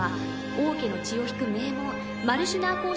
王家の血を引く名門マルシュナー公爵